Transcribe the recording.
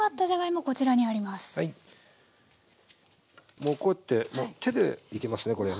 もうこうやって手でいけますねこれ。